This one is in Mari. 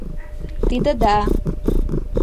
— Тиде да!